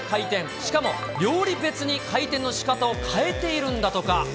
しかも料理別に回転のしかたを変えているんだとか。